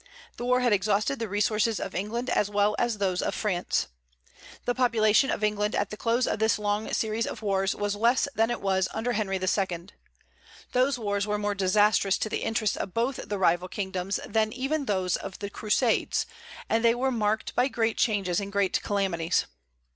The war had exhausted the resources of England as well as those of France. The population of England at the close of this long series of wars was less than it was under Henry II. Those wars were more disastrous to the interests of both the rival kingdoms than even those of the Crusades, and they were marked by great changes and great calamities.